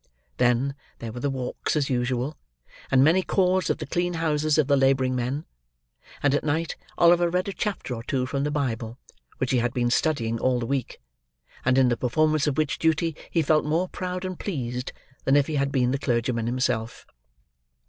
Then, there were the walks as usual, and many calls at the clean houses of the labouring men; and at night, Oliver read a chapter or two from the Bible, which he had been studying all the week, and in the performance of which duty he felt more proud and pleased, than if he had been the clergyman himself.